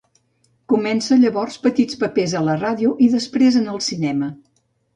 Comença llavors petits papers a la ràdio i després en el cinema.